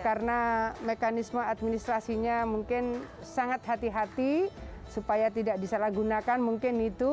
karena mekanisme administrasinya mungkin sangat hati hati supaya tidak disalahgunakan mungkin itu